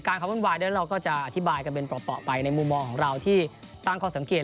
ความวุ่นวายเดี๋ยวเราก็จะอธิบายกันเป็นเปราะไปในมุมมองของเราที่ตั้งข้อสังเกต